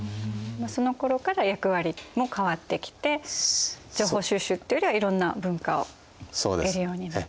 そのころから役割も変わってきて情報収集っていうよりはいろんな文化を得るようになったんですね。